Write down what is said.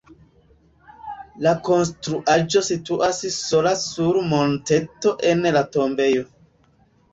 La konstruaĵo situas sola sur monteto en la tombejo.